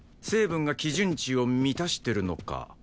成分が基準値を満たしてるのか。